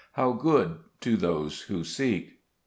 How good to those who seek